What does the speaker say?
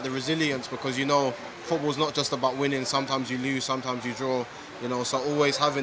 karena sebuah pertempuran bukan hanya tentang menang atau kalah tapi juga tentang memiliki kekuatan yang penting